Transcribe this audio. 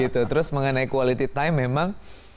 terus mengenai quality time memang